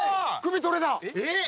・えっ？